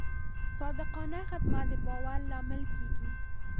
صادقانه خدمت د باور لامل کېږي.